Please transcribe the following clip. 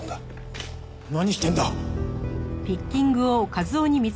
何してんだ！？